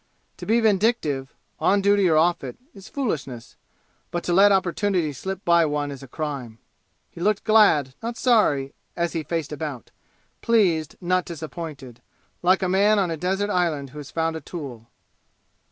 To be vindictive, on duty or off it, is foolishness; but to let opportunity slip by one is a crime. He looked glad, not sorry, as he faced about pleased, not disappointed like a man on a desert island who has found a tool.